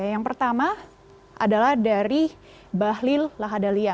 yang pertama adalah dari bahlil lahadalia